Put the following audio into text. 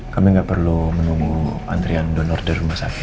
kami gak perlu menunggu antrian donor di rumah sakit